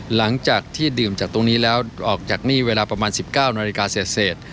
หลังจากที่ดื่มจากตรงนี้แล้วออกจากหนี้เวลาประมาณ๑๙นาฬิกาเสร็จ